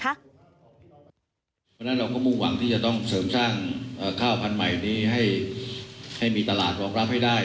เพราะฉะนั้นเราก็มุ่งหวังที่จะต้องเสริมสร้างข้าวพันธุ์ใหม่นี้ให้มีตลาดรองรับให้ได้